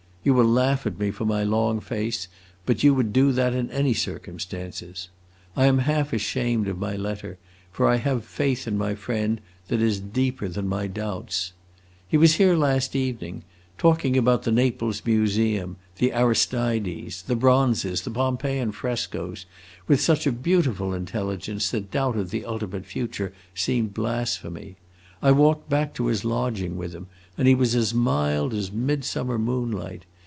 You will laugh at me for my long face, but you would do that in any circumstances. I am half ashamed of my letter, for I have a faith in my friend that is deeper than my doubts. He was here last evening, talking about the Naples Museum, the Aristides, the bronzes, the Pompeian frescoes, with such a beautiful intelligence that doubt of the ultimate future seemed blasphemy. I walked back to his lodging with him, and he was as mild as midsummer moonlight.